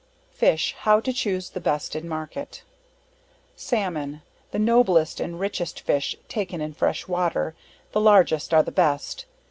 Fish, how to choose the best in market. Salmon, the noblest and richest fish taken in fresh water the largest are the best.